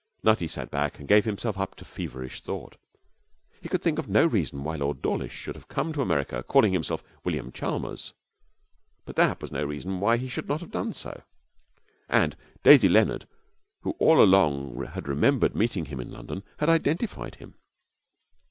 Nutty sat back and gave himself up to feverish thought. He could think of no reason why Lord Dawlish should have come to America calling himself William Chalmers, but that was no reason why he should not have done so. And Daisy Leonard, who all along had remembered meeting him in London, had identified him.